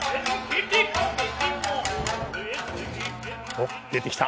おっ出てきた。